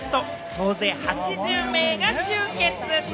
総勢８０名が集結。